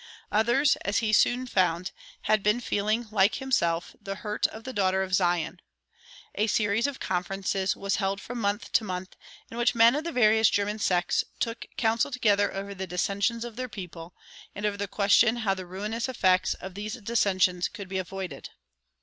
Others, as he soon found, had been feeling, like himself, the hurt of the daughter of Zion. A series of conferences was held from month to month, in which men of the various German sects took counsel together over the dissensions of their people, and over the question how the ruinous effects of these dissensions could be avoided.